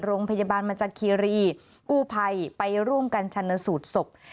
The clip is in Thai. โรงพยาบาลมันจาเครียร์คู่พัยไปร่วมกันชะเนิดสูตรศพ